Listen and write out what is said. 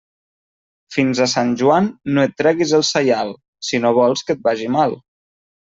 Fins a Sant Joan no et treguis el saial, si no vols que et vagi mal.